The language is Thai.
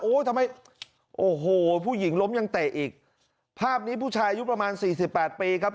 ทำไมโอ้โหผู้หญิงล้มยังเตะอีกภาพนี้ผู้ชายอายุประมาณสี่สิบแปดปีครับ